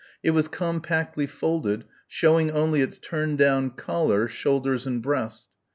It was compactly folded, showing only its turned down collar, shoulders and breast.